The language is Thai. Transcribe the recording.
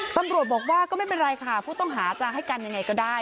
ตำรวจบอกว่าก็ไม่เป็นไรค่ะผู้ต้องหาจะให้กันยังไงก็ได้